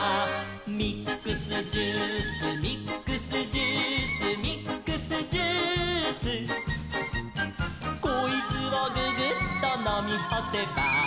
「ミックスジュースミックスジュース」「ミックスジュース」「こいつをググッとのみほせば」